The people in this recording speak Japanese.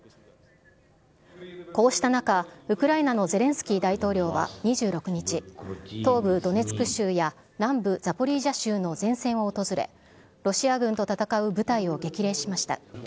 こうした中、ウクライナのゼレンスキー大統領は２６日、東部ドネツク州や、南部ザポリージャ州の前線を訪れ、ロシア軍と戦う部隊を激励しました。